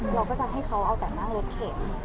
เราก็จะให้เขาเอาแต่นั่งรถเข็น